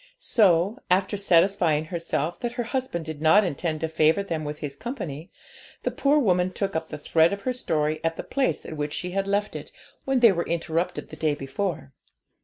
So, after satisfying herself that her husband did not intend to favour them with his company, the poor woman took up the thread of her story at the place at which she had left it when they were interrupted the day before.